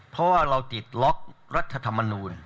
เพราะว่าเราติดล็อกรัฐธรรมนูล